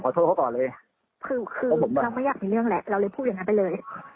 โทษเขาก่อนเลยคือคือเราไม่อยากมีเรื่องแหละเราเลยพูดอย่างนั้นไปเลย